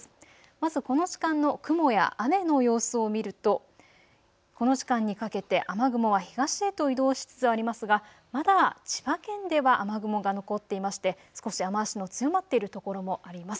まずこの時間の雲や雨の様子を見るとこの時間にかけて雨雲は東へと移動しつつありますがまだ千葉県では雨雲が残っていまして少し雨足の強まっているところもあります。